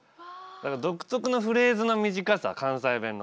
独特のフレーズの短さ関西弁の。